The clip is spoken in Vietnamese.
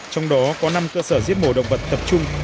trong đó có năm cơ sở giết mổ động vật tập trung